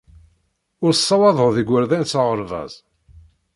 Ur tessawaḍeḍ igerdan s aɣerbaz.